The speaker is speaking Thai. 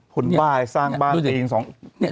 ก็รับทศัตริย์